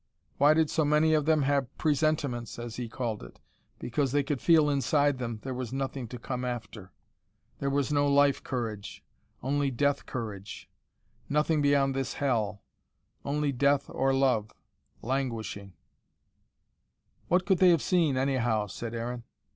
Why did so many of them have presentiments, as he called it? Because they could feel inside them, there was nothing to come after. There was no life courage: only death courage. Nothing beyond this hell only death or love languishing " "What could they have seen, anyhow?" said Aaron.